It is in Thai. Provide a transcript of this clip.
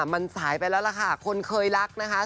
มันสายไปแล้วล่ะค่ะคนเคยรักนะคะ